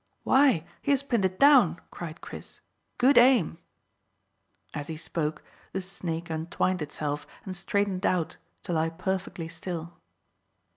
"Why, he has pinned it down," cried Chris. "Good aim." As he spoke the snake untwined itself and straightened out, to lie perfectly still.